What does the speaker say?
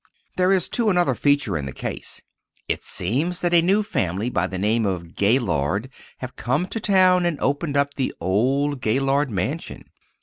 There is, too, another feature in the case. It seems that a new family by the name of Gaylord have come to town and opened up the old Gaylord mansion.